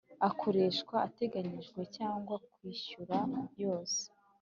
akoreshwa ateganyijwe cyangwa kwishyura yose